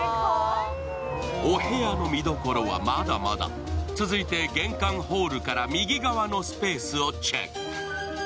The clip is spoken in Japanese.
お部屋の見どころはまだまだ、続いて玄関ホールから右側のスペースをチェック。